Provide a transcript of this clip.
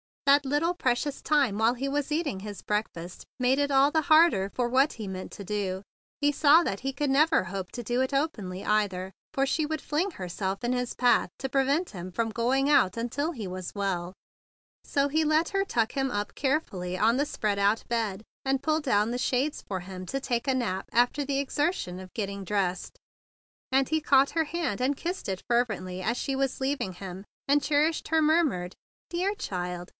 That little precious time while he was eating his breakfast made it all the harder for what he meant to do. He saw that he could never hope to do it openly, either; for she would fling herself in his path to prevent him from going out until he was well; so he let her tuck him up carefully on the spread up bed, and pull down the shades for him to take a nap after the exertion of getting dressed; and he caught her hand, and kissed it fervently as she was leaving him; and cherished her murmured "Dear child!"